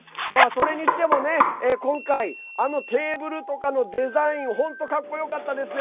それにしてもね、今回あのテーブルとかのデザイン本当かっこよかったですね。